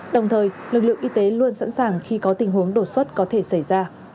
đồng thời lực lượng y tế luôn sẵn sàng khi có tình huống đột xuất có thể xảy ra